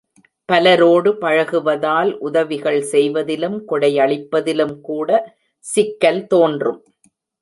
பலரோடு பழகுவதால் உதவிகள் செய்வதிலும் கொடையளிப்பதிலும்கூட சிக்கல் தோன்றும்.